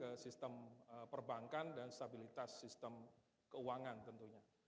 jadi ada sistem perbankan dan stabilitas sistem keuangan tentunya